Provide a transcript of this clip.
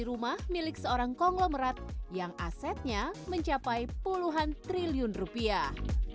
rumah milik seorang konglomerat yang asetnya mencapai puluhan triliun rupiah